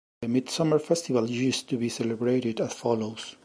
The midsummer festival used to be celebrated as follows.